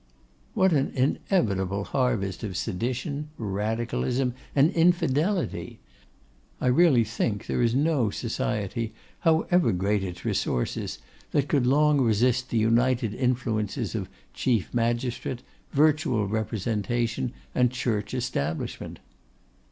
What an inevitable harvest of sedition, radicalism, infidelity! I really think there is no society, however great its resources, that could long resist the united influences of chief magistrate, virtual representation, and Church establishment!